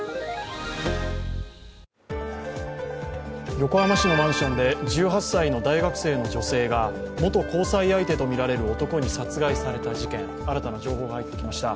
横浜市のマンションで１８歳の大学生の女性が元交際相手とみられる男に殺害された事件、新たな情報が入ってきました。